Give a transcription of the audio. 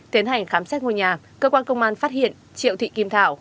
tiến hành khám xét ngôi nhà cơ quan công an phát hiện triệu thị kim thảo